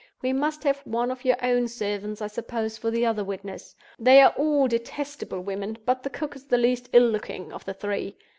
We must have one of your own servants, I suppose, for the other witness. They are all detestable women; but the cook is the least ill looking of the three.